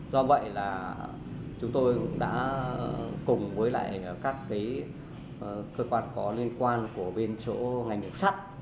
do vậy là chúng tôi cũng đã cùng với lại các cơ quan có liên quan của bên chỗ ngành đường sắt